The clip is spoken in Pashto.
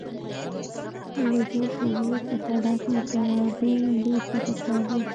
له جوش اوبو څخه ډک مکعبي لوښی پکار دی.